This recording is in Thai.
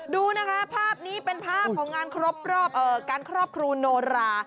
ดูนะคะภาพนี้เป็นภาพของงานครบรอบการครอบครูโนรา